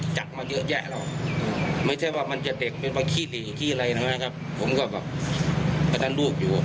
แต่ลูกเราก็โทษ